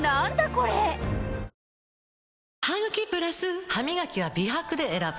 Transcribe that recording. これハミガキは美白で選ぶ！